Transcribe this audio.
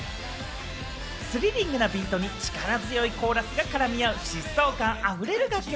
スリリングなビートに力強いコーラスが絡み合う疾走感あふれる楽曲。